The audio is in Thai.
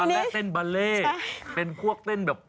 ตอนแรกเต้นเบเลเป็นพวกเต้นเกาหลี